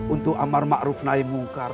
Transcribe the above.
untuk amar ma'ruf naim munkar